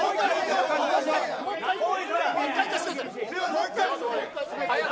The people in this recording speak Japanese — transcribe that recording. もう１回。